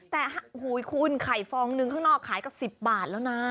แต่หูยคุณไข่ฟองนึงข้างนอกขายกับ๑๐บาทแล้วนะ